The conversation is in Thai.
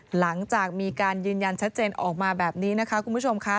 หลังจากมีการยืนยันชัดเจนออกมาแบบนี้นะคะคุณผู้ชมค่ะ